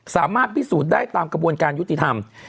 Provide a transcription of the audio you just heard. สามารถพิสูจน์ได้ตามกระบวนการยุติธรรม